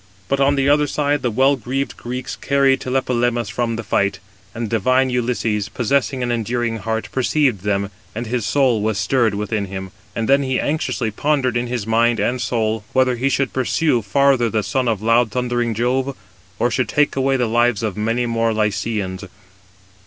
But on the other side the well greaved Greeks carried Tlepolemus from the fight; and divine Ulysses, possessing an enduring heart, perceived them, and his soul was stirred within him. And then he anxiously pondered in his mind and soul, whether he should pursue farther the son of loud thundering Jove, or should take away the lives of many more Lycians.